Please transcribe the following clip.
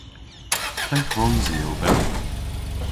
Ple hwrons i oberi?